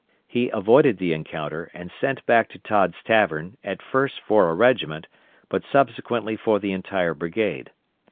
He avoided the encounter and sent back to Todd's Tavern, at first for a regiment, but subsequently for the entire brigade.